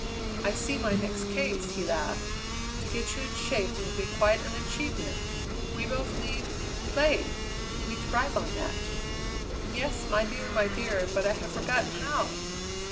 "I see my next case," he laughed. "To get you in shape will be quite an achievement. We both need play. We thrive on that." "Yes, my dear, my dear; but I have forgotten how!"